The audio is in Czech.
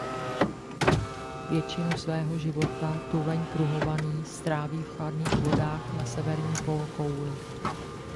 Většinu svého života tuleň pruhovaný stráví v chladných vodách na severní polokouli.